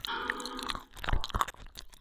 خپل ژوند پلان کړئ.